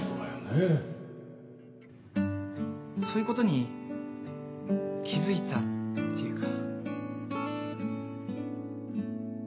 そういうことに気付いたっていうか。